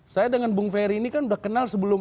saya dengan bung ferry ini kan udah kenal sebelum